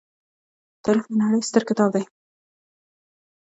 تاریخ د نړۍ ستر کتاب دی.